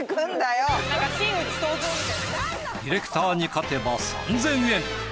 ディレクターに勝てば３，０００円。